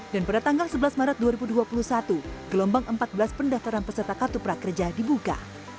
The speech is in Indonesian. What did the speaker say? dan pada tanggal sebelas maret dua ribu dua puluh satu gelombang empat belas pendaftaran peserta kartu prakerja dibuka